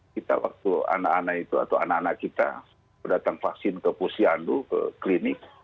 kita waktu anak anak itu atau anak anak kita datang vaksin ke posyandu ke klinik